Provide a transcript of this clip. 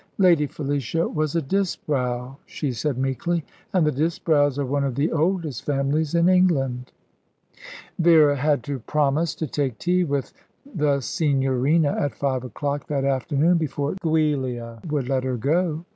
"Lady Felicia was a Disbrowe," she said meekly, "and the Disbrowes are one of the oldest families in England." Vera had to promise to take tea with the Signorina at five o'clock that afternoon before Giulia would let her go.